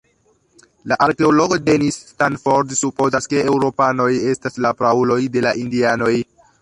La arkeologo Dennis Stanford supozas, ke eŭropanoj estas la prauloj de la indianoj.